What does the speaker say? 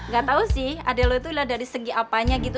gak tau sih adik lo itu dilihat dari segi apanya gitu